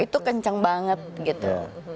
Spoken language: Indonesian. itu kencang banget gitu